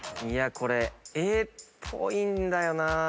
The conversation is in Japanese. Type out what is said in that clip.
これＡっぽいんだよな。